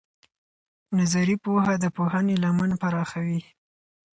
نظري پوهه د پوهنې لمن پراخوي.